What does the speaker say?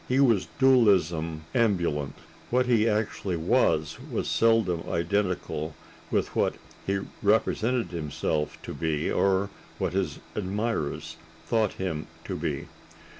He was dualism ambulant. What he actually was was seldom identical with what he represented himself to be or what his admirers thought him to be.